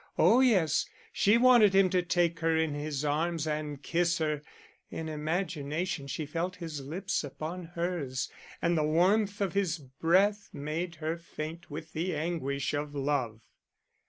Oh yes, she wanted him to take her in his arms and kiss her; in imagination she felt his lips upon hers, and the warmth of his breath made her faint with the anguish of love.